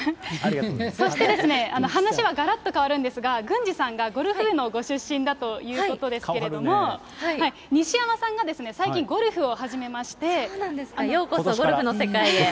そして、話はがらっと変わるんですが、郡司さんがのご出身だということですけれども、西山さんが、最近、ようこそゴルフの世界へ。